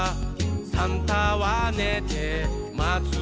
「サンタはねてまつのだ」